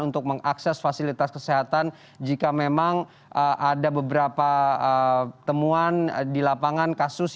untuk mengakses fasilitas kesehatan jika memang ada beberapa temuan di lapangan kasus